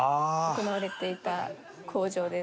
行われていた口上です。